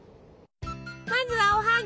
まずはおはぎ！